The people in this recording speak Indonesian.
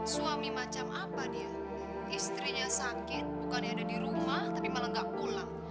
suami macam apa dia istrinya sakit bukannya ada di rumah tapi malah nggak pulang